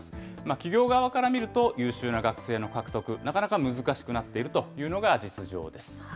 企業側から見ると、優秀な学生の獲得、なかなか難しくなっているというのが実情です。